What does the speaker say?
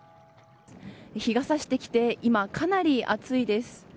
日が差してきて今、かなり暑いです。